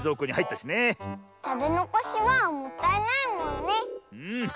たべのこしはもったいないもんね！